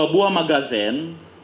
dua buah magazen